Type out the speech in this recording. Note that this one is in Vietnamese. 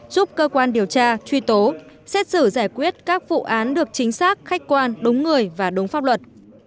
giúp cơ quan điều tra truy tố xét xử giải quyết các vụ án được chính xác khách quan đúng người và đúng pháp luật